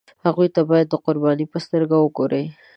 هغوی ته باید د قربانیانو په سترګه وګوري.